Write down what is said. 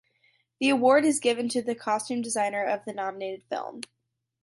The award is given to the costume designer of the nominated film.